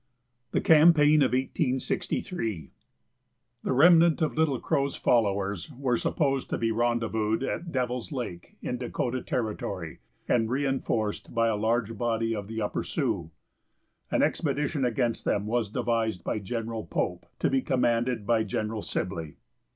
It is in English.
THE CAMPAIGN OF 1863. The remnant of Little Crow's followers were supposed to be rendezvoused at Devil's lake, in Dakota Territory, and reinforced by a large body of the Upper Sioux. An expedition against them was devised by General Pope, to be commanded by General Sibley.